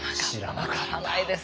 分からないです